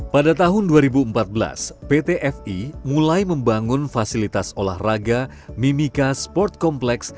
pada tahun dua ribu empat belas pt fi mulai membangun fasilitas olahraga mimika sport complex